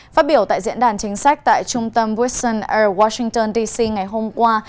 phát biểu tại diễn đàn chính sách tại trung tâm western air washington dc ngày hôm qua